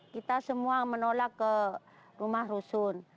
kita semua menolak ke rumah rusun